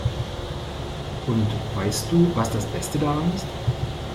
Und weißt du, was das Beste daran ist?